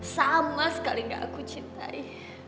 sama sekali tidak aku cintai